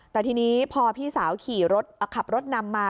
แต่ทีนี้พอพี่สาวขี่รถขับรถนำมา